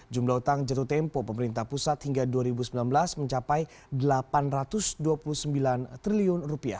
jumlah utang jatuh tempo pemerintah pusat hingga dua ribu sembilan belas mencapai rp delapan ratus dua puluh sembilan triliun